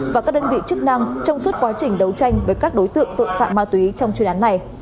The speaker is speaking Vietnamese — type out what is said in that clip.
và các đơn vị chức năng trong suốt quá trình đấu tranh với các đối tượng tội phạm ma túy trong chuyên án này